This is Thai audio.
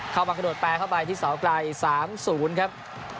มากระโดดแปรเข้าไปที่เสาไกล๓๐ครับ